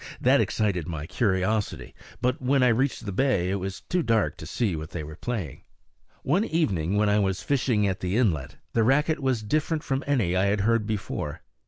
That excited my curiosity; but when I reached the bay it was too dark to see what they were playing. One evening, when I was fishing at the inlet, the racket was different from any I had heard before.